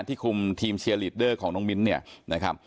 คุมทีมเชียร์ลีดเดอร์ของน้องมิ้นเนี่ยนะครับ